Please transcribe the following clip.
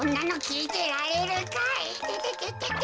いててて。